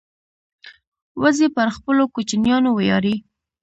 وزې پر خپلو کوچنیانو ویاړي